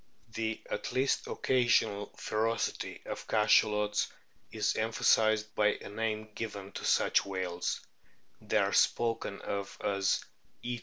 The at least occasional ferocity of Cachalots is emphasised by a name given to such whales; they are spoken of as "eating whales."